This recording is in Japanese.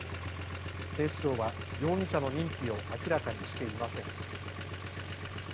警視庁は容疑者の認否を明らかにしていません。